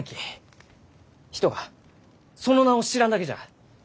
人がその名を知らんだけじゃ。